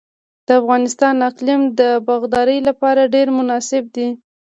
د افغانستان اقلیم د باغدارۍ لپاره ډیر مناسب دی.